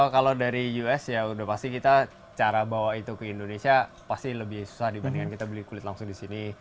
kalau dari us ya udah pasti kita cara bawa itu ke indonesia pasti lebih susah dibandingkan kita beli kulit langsung di sini